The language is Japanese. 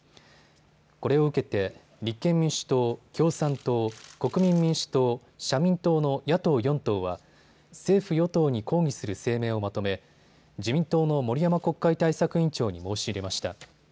これを受けて立憲民主党、共産党、国民民主党、社民党の野党４党は政府与党に抗議する声明をまとめ、自民党の森山国会対策委員長に申し入れました。